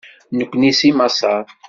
Nekkini seg maṣer.